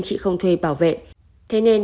chị không thuê bảo vệ thế nên